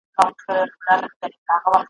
ژوند دي له اوره په لمبه ویاړې `